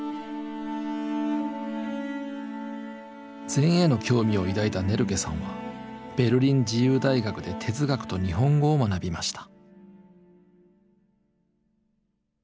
禅への興味を抱いたネルケさんはベルリン自由大学で哲学と日本語を学びました。